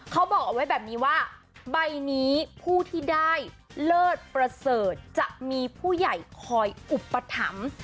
เขาบอกเอาไว้แบบนี้ว่าใบนี้ผู้ที่ได้เลิศประเสริฐจะมีผู้ใหญ่คอยอุปถัมภ์